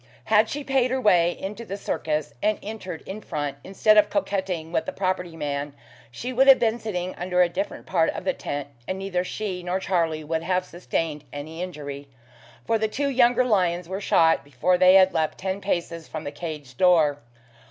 Had she paid her way into the circus, and entered in front, instead of coquetting with the property man, she would have been sitting under a different part of the tent, and neither she nor Charlie would have sustained any injury, for the two younger lions were shot before they had leapt ten paces from the cage door.